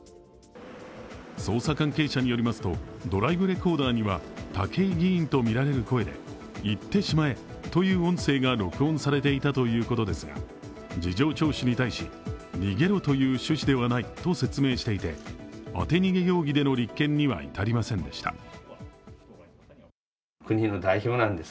捜査関係者によりますと、ドライブレコーダーには武井議員とみられる声で行ってしまえという音声が録音されていたということですが事情聴取に対し、逃げろという趣旨ではないと説明していて、当て逃げ容疑での立件には至りませんでした。